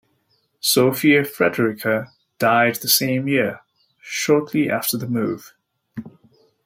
Sophia Frederica died the same year, shortly after the move.